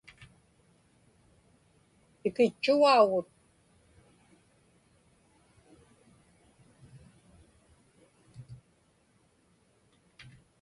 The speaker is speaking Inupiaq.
Tikitchugaugut.